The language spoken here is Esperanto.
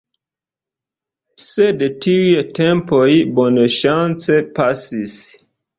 Sed tiuj tempoj bonŝance pasis.